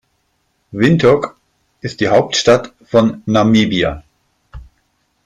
Windhoek ist die Hauptstadt von Namibia.